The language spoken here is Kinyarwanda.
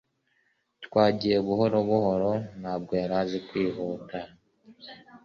twagiye buhoro buhoro, ntabwo yari azi kwihuta